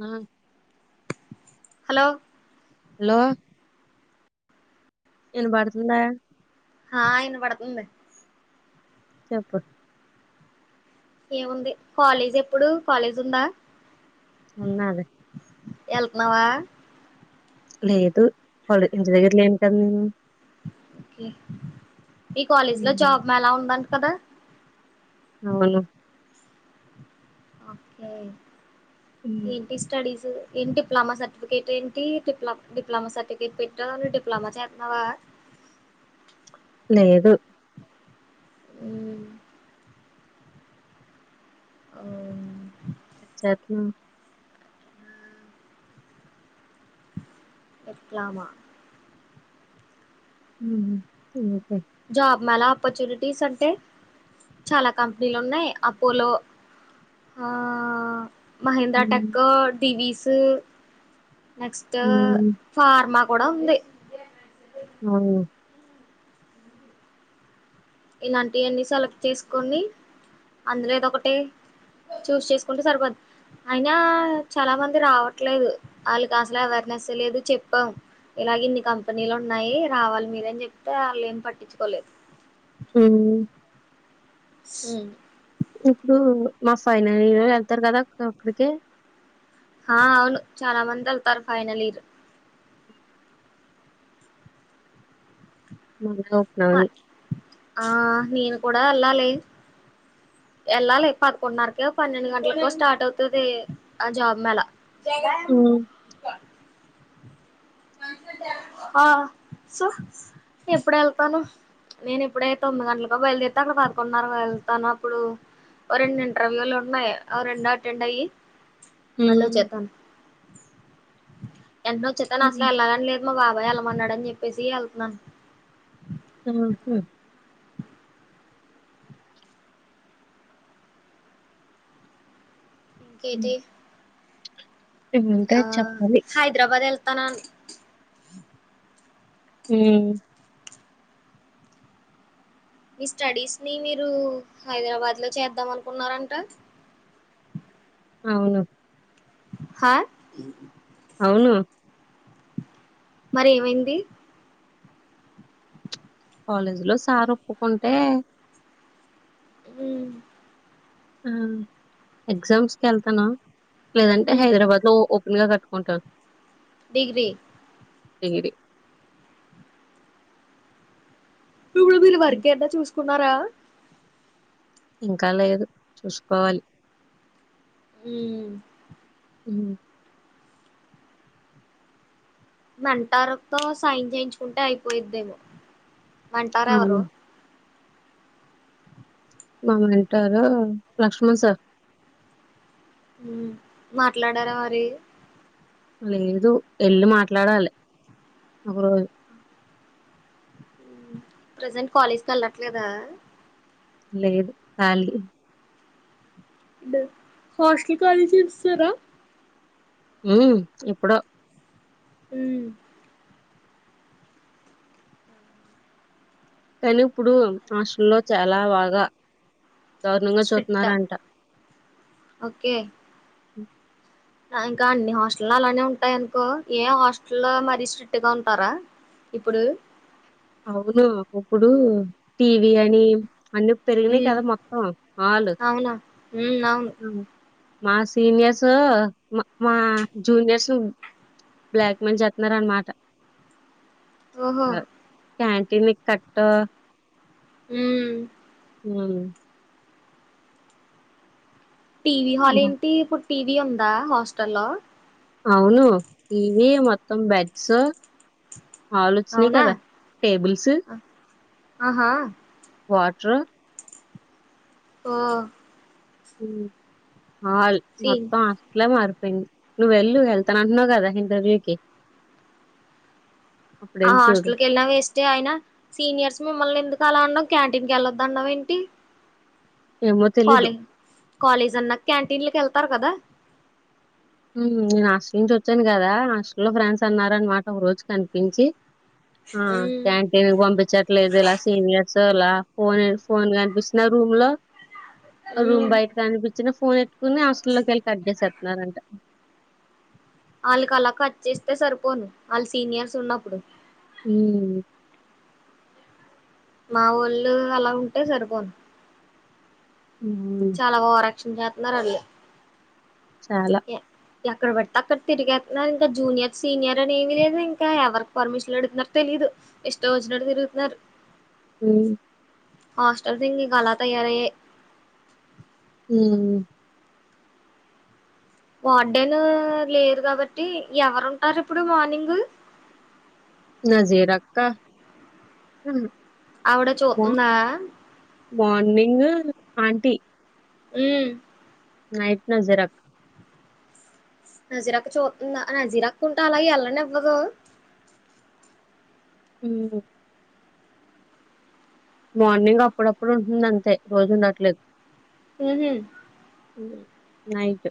ఆ hello hello ఇనబర్తుందా హా ఇన్న పడుతంది చెప్పు ఏముంది కాలేజ్ ఎప్పుడు కాలేజ్ ఉందా ఉన్నాది ఏళ్తున్నావా లేదు వాళ్ ఇంటి దగ్గరలోని కన్ మీ కాలేజీ లో హ్మ్. జాబ్ మేళ ఉందంట కదా అవులు ఓకే హ్మ్. ఏంటి స్టడీసు ఏంటి డిప్లమా సర్టిఫికేట్ ఏంటి డిప్లమ డిప్లమా సర్టిఫికేట్ పెట్టి డిప్లమా చేస్తున్నావా లేదు మ్మ్ అవునా చేతున్ డిప్లమా హుమ్ జాబ్ మేళా ఆపర్చునిటీస్ అంటే చాలా కంపెనీలు ఉన్నాయి అపోలో ఆ మహేంద్ర ఉమ్ టెక్, డివిస్ నెక్స్ట్ ఫార్మా కుడా ఉంది ఉమ్ ఇలాంటి అన్ని సెలెక్ట్ చేసుకుని అందులో ఏదో ఒకటి చూస్ చేసుకుంటే సరిపో అయినా చాలా మంది రావట్లేదు వాళ్ళకి అసలు అవేర్నెస్ లేదు చెప్పాం ఇలాగ ఇన్ని కంపెనీలు ఉన్నాయి రావాలి మీరని చెప్తే వాళ్ళు ఏం పట్టించుకోలేదు ఉమ్ ఉమ్ ఇప్పుడు మా ఫైనల్ ఇయర్ వెళ్తారు కదా అక్కడికి ఆ అవును చాలా మంది వెళ్తారు ఫైనల్ ఇయర్ కుళ్ళు జోక్స్ అవన్నీ ఆ నేను కూడా వెళ్లాలి వెళ్ళాలి పదకొండున్నరకో, పన్నెండు గంటలకో స్టార్ట్ అవుతుది ఆ జాబ్ మేళ చేయగానే ఉమ్ ఆ సో ఎప్పుడు వెళ్తాను నేను ఇప్పుడైతే తొమ్మిది గంటలకు బయలుదేరితే పదకొండున్నర వెళ్తాన అప్పుడు రెండు ఇంటర్వ్యూలు ఉన్నాయి రెండో అటెండ్ అయ్య మళ్ళ ఉమ్ వచ్చేత్త ఏంటనే వచ్చేస్తాను అసలు వెళ్లాలని లేదు మా బాబాయ్ ఏళ్ళమన్నాడు అని చెప్పిసి ఏళ్తున్నాను ఆహా పీజీ ఏమంటే ఆ చెప్పాలి హైదరాబాద్ వెళ్తానా ఉమ్ మీ స్టడీస్ ని మీరు హైదరాబాద్ లో చేద్దాం అనుకున్నారంట అవును హా అవును మరి ఏమైంది కాలేజీ లో సార్ ఒప్పుకుంటే ఉమ్ ఎగ్జామ్స్ కి వెళ్తానా లేదంటే హైదరాబాద్ లో ఇగా కట్టుకుంటాను డిగ్రీ డిగిరీ ఇప్పుడు మీరు హ్మ్. వర్కేన్నా చూసుకున్నారా ఇంకా లేదు. చూసుకోవాలి. మ్. మ్. మంటారుతో సైన్ చేయించుకుంటే అయిపోయిద్దేమో మంటారేవరు అవును మా మంటారు లక్ష్మణ్ సార్ మ్ మాట్లాడారా మరి లేదు ఏళ్ళీ మాట్లాడాలి ఒక రోజు ప్రజెంట్ కాలేజ్ కెళ్ళట్లేదా లేదు ఖాలీ డ్ కాస్ట్లి కాలేజీ ఇడుస్తర మ్ ఎప్పుడో మ్ కానీ ఇప్పుడు హాస్టల్లో చాలా బాగా దారుణంగా స్ట్రిక్టా చూతున్నారంట ఓకే ఇంకా అన్ని హాస్టల్లో అలానే ఉంటాయనుకో ఏ హాస్టల్లో మరీ స్ట్రిక్ట్ గా ఉంటారా ఇప్పుడు అవును. ఇప్పుడు టీవీ అని అన్ని పెరిగినాయి మ్మ్ కదా మొత్తం ఆల్ మ్. అవును. హ్మ్. మా సీనియర్స్ మా మా జూనియర్స్ బ్లాక్ మెయిల్ చెత్తున్నారన్నమాట ఓహో క్యాంటీన్కు కట్టు మ్మ్. అని టీవీ హాల్ బా ఏంటి ఇప్పుడు టీవీ ఉందా హాస్టల్లో అవును టీవీ మొత్తం బెడ్స్ హల్ వచ్చినాయి అవునా కదా టేబుల్స్ ఆ, ఆహా వాట్రు ఓ మ్ హాల్ సీన్ మొత్తం హాస్టలే మారి నువ్వు వెళ్ళు వెళ్తానంటున్నావు కదా ఇంటర్వ్యూకి అప్పుడు ఆ వెళ్ళి చూడు హాస్టల్కి వెళ్ళిన వేస్టే అయినా సీనియర్స్ మిమ్మల్ని ఎందుకు [unintelligible] క్యాంటీన్కి వెళ్ళొద్దనడం ఏంటి ఏమో తెలీదు కాలేజ్ కాలేజ్ అన్నాక క్యాంటీన్ లోకి వెళ్తారు కదా మ్ నేను హాస్టల్ నుంచి వచ్చాను కదా హాస్టల్ లో ఫ్రెండ్స్ అన్నారనమాట ఒక రోజు కనిపించి ఆ ఉమ్ క్యాంటీన్కి పంపించట్లేదు ఇలా సీనియర్స్ అలా ఫోనే ఫోన్ కనిపించిన రూమ్లో రూమ్ ఉమ్ బయట కనిపించిన ఫోనేత్ కునే హాస్టల్లోకి వెళ్ళి కట్ చేసేస్తున్నారంట ఆళ్ళకి అలా కట్ చేస్తే సరిపోను వాళ్ళ సీనియర్స్ ఉన్నప్పుడు మ్ మా వోళ్ళు అలా ఉంటే సరిపోను. మ్మ్ హు చించేత్తున్నారాళ్ళు చాలా ఎక్కడ బడితే అక్కడ తిరిగేతున్నారు ఇంకా జూనియర్ సీనియర్ అనేమి లేదు ఇంకా ఎవరికి పర్మిషన్ అడుగుతున్నారో తెలి దు. ఇష్ట మొచ్చినట్టు తిరుగుతున్నారు. ఉ హస్టల్ [unintelligible] తయారయే హు వార్డేన్ లేరు కాబట్టి ఎవరు ఉంటారు ఇప్పుడు మార్నింగు నజీరక్క ఆవిడ మ చూతుందా మార్నింగ్ ఆంటీ హు నయిట్ న జరక్ నజీరక్క చూ నజీరకక్క ఉంటే అలా ఎల్ళనివ్వదు హు మార్నింగ్ అప్పుడప్పుడు ఉంటుంది అంతే రోజు ఉండట్లే హు హు నైటు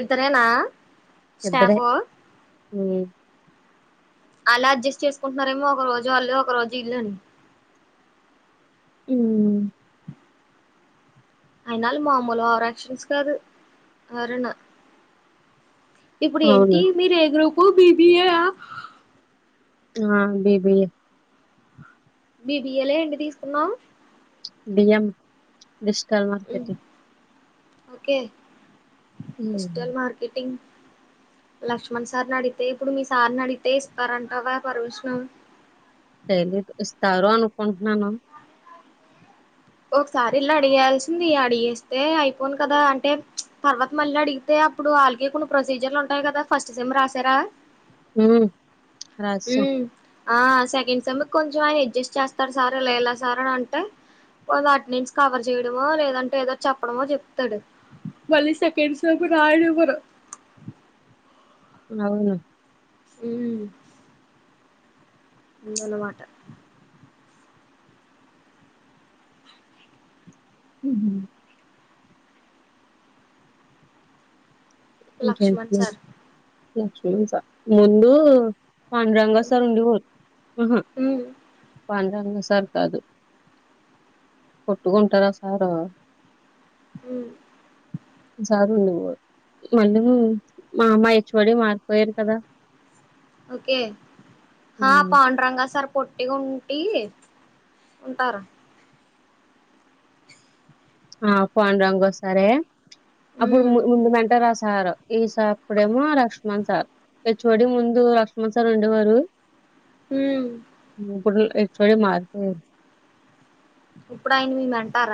ఇద్దరేనా స్టాఫు హ అలా అడ్జస్ట్ చేసుకుంటున్నారేమో ఒక రోజు వాళ్ళు ఒక రోజు ఇల్లుఅని ఉమ్ అయినాలు మామూలు ఓవర్ ఆక్షన్స్ కాదు అరుణ ఇప్పుడు ఏంటి అవును. మీరు ఎ గ్రూపు బిబీయయా ఆ బీబీ ఎ బి బి య్యలే ఏంటి తీసుకున్నావు బిఎం డిస్టల్ మార్కెటింగ్ ఒకే హ్మ్. డిజిటల్ మార్కెటింగ్ లక్ష్మణ్ సార్ నీ అడితే ఇప్పుడు మీ సార్ని అడితే ఇస్తారంటావా పెర్మిషన్ తెలీదు. ఇస్తారు అనుకుంటున్నాను ఒకసారి ఎల్ అడిగాయాల్సింది అడిగేస్తే అయిపోను కదా అంటే తర్వాత మళ్ళీ అడిగితే అప్పుడు వాళ్ళకీ కొన్ని ప్రొసీజర్లు ఉంటాయి కదా ఫస్ట్ సెమ రాశార హు [unintelligible] ఆ సెకండ్ సెమ్ కొంచెం ఆయన అడ్జస్ట్ చేస్తారు సార్ లేలా సార్ అని అంటే వాళ్ల అటెండెన్స్ కవర్ చేయడమో లేదంటే ఏదో చెప్పడమో చెప్తడు మళ్ళీ సెకండ్ సెమ్ రాయన్నివ్వరు అవును హు ఉందనమాట హు లక్ష్మణ్ సార్ లక్ష్మీస ముందు ఉమ్ [unintelligible] సార్ కాదు కొట్టుకుంటారూ ఆ ఉమ్ సారు [unintelligible] మళ్ళీ మా అమ్మా హెచ్ ఒ డి మారిపోయారు కదా ఒకే హా పాండరంగ సార్ పొట్టిగుంటి ఉంటరూ ఆ పాండు రంగ సారే అప్పుడు ఉమ్ ముందు మంట రాస్ సార్ ఈసార్ అప్పుడేమో Laxman sir H O D ముందు లక్ష్మణ్ సార్ ఉండేవారు ఉమ్ ఇప్పుడు హెచ్ ఒ డి మారిపోయారు ఇప్పుడు ఆయన మీ మంటార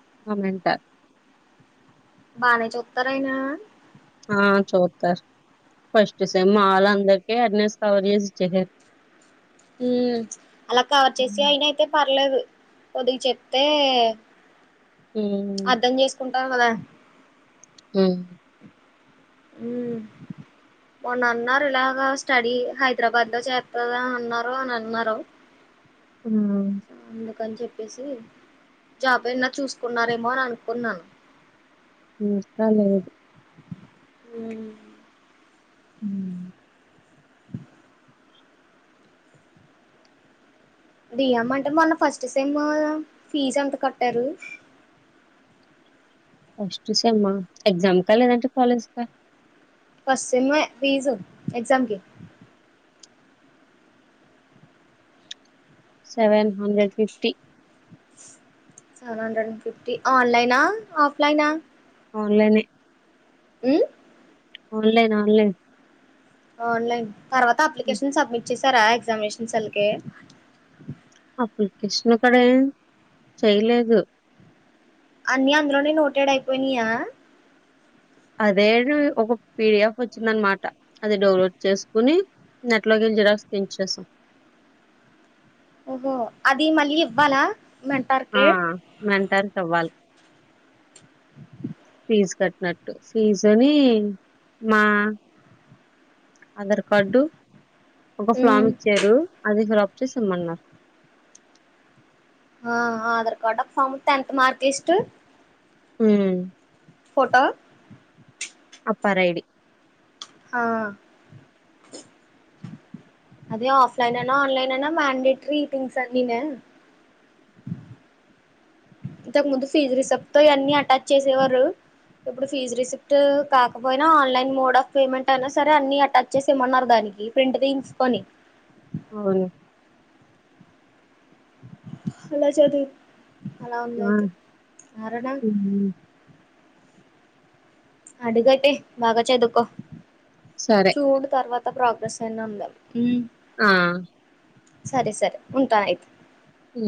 [unintelligible] బానే చూతార అయినా ఆ చుతర్ ఫస్ట్ సేమ్ మా వాళ్ళందరికీ అటెండెన్స్ కవర్ చేసి ఇచ్చేసార్ ఉ అలా కవర్ చేసి ఉమ్ అయిన అయితే పర్లేదు కొద్దిగ చెప్తే ఊ [unintelligible] ఉ ఉ మొన్న అన్నారు ఇలాగ స్టడీ హైదరాబాద్ లో చేస్తాదా అన్నారు అని అన్నారు ఉహ్మ్ కన్ చెప్పేసి జాబ్ ఎన్న చూసుకున్నారేమో అని అనుకున్నా ఇంకా లేదు ఉ ఉ డియ్యం అంటార్ మొన్న ఫస్ట్ సేమ్ యూ ఫీజ్ ఎంత కట్టారు ఫస్ట్ సెమ్ ఆ ఎగ్జామ్ కా లేదంటే కాలేజ్ కా ఫస్ట్ సెమ్ ఏ ఫీజు ఎగ్జామ్ కి seven hundred fifty seven hundred and fifty online ఆ ఆఫ్లైన్ ఆ ఆన్లైన్ నే ఉ ఆన్లైన్ ఆన్లైన్ ఆన్లైన్ తర్వాత అప్లికేషన్స్ సబ్మిట్ చేశారా ఎగ్జామినేషన్ సెల్ కి అప్లికేషన్ ఏ కదే చేయలేదు అన్ని అందులోనే నోటెడ్ అయిపోయినాయా అదే ఇన్ ఒక పిడిఎఫ్ వచ్చిందన్నమాట అది డౌన్లోడ్ చేసుకుని నెట్లో గిన్ జిరాక్స్ తీయించేసు ఓహో అది మళ్ళీ ఇవ్వాలా మెంటార్ కి ఆ మెంటార్ కివ్వాలి. [inaudible] ఫీజు కట్టినట్టు ఫీజు అని మా ఆధర్ కార్డు ఉ ఒక ఉమ్ ఫ్లామ్ ఇచ్చారు అది ఫిల్ అప్ చేసి ఇమ్మన్నార్ ఆ ఆ ఆధార్ కార్డ్ ఆ ఫామ్ త్ టెన్త్ మార్క్ లిస్ట్ ఊ ఊ ఫోటో అపార్ ఐడి హా అది ఆఫ్లైన్ అయినా ఆన్లైన్ అయినా మాండేటరీ థింగ్స్ అన్నీను [inaudible] ఇంతకు ముందు ప్లీజ్ రిసిప్ట్ ఇ అన్ని అటాచ్ చేసేవారు ఇప్పుడు ఫీజు రిసిప్ట్ ఉ కాకపోయినా ఆన్లైన్ మోడ్ ఆఫ్ పేమెంట్ అయినా సరే అన్నీ అటాచ్ చేసి ఏమ్మన్నారు దాన్ ఇది ప్రింట్ తీయించుకుని అవును అలా ఉంది ఆ అయితే అరణ ఉమ్, అడిగటే బాగా చదువుకో సరే అంత ప్రోగ్రెస్ అయినా ఉంది ఊ ఆ సరే సరే ఉంటా ఆయితే. ఉ